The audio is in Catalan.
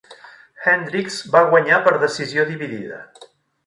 Hendricks va guanyar per decisió dividida.